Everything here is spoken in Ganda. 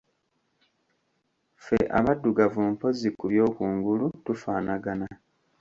Ffe Abaddugavu mpozzi ku by'oku ngulu tufaanagana.